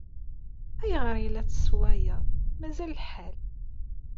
Ayɣer ay la tessewwayeḍ? Mazal lḥal.